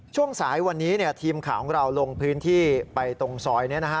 ช่วงสายวันนี้ทีมข่าวของเราลงพื้นที่ไปตรงซอยนี้นะฮะ